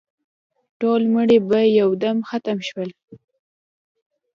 ټول مړي په یو دم ختم شول.